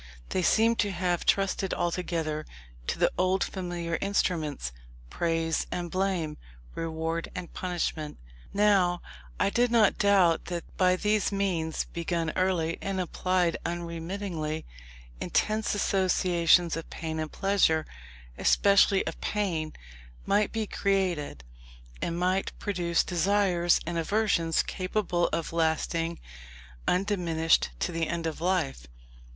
They seemed to have trusted altogether to the old familiar instruments, praise and blame, reward and punishment. Now, I did not doubt that by these means, begun early, and applied unremittingly, intense associations of pain and pleasure, especially of pain, might be created, and might produce desires and aversions capable of lasting undiminished to the end of life.